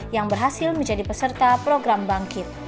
yang berhasil menjadi peserta program bangkit